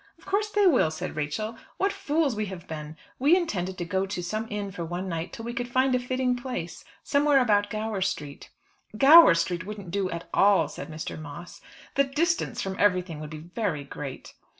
"Of course they will," said Rachel. "What fools we have been! We intended to go to some inn for one night till we could find a fitting place, somewhere about Gower Street." "Gower Street wouldn't do at all," said Mr. Moss. "The distance from everything would be very great."